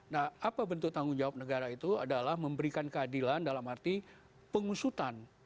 nah apa bentuk tanggung jawab negara itu adalah memberikan keadilan dalam arti pengusutan